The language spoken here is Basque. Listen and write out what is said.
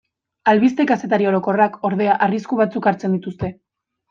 Albiste-kazetari orokorrak, ordea, arrisku batzuk hartzen dituzte.